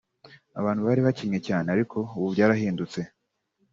abantu bari bakennye cyane ariko ubu byarahindutse